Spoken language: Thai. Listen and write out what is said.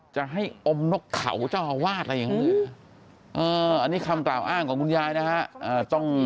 จะให้อมนกเขาเจ้าอาวาสอะไรอย่างนี้อันนี้คำกล่าวอ้างของคุณยายนะฮะ